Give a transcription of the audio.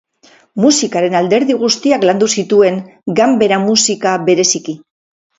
Musikaren alderdi guztiak landu zituen, ganbera-musika bereziki.